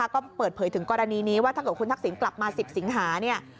ก็เปิดเผยถึงกรณีนี้ว่าถ้าเกิดคุณทักษินตร์กลับมาสิบสิงหา